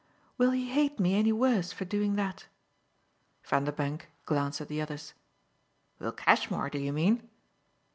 "Will he hate me any worse for doing that?" Vanderbank glanced at the others. "Will Cashmore, do you mean?"